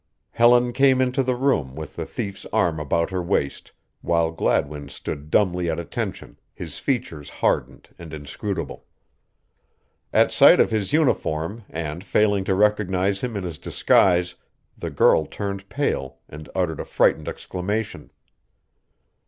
Helen came into the room with the thief's arm about her waist while Gladwin stood dumbly at attention, his features hardened and inscrutable. At sight of his uniform and failing to recognize him in his disguise the girl turned pale and uttered a frightened exclamation.